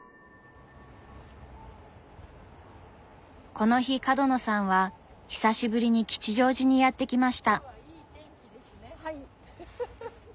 この日角野さんは久しぶりに吉祥寺にやって来ました。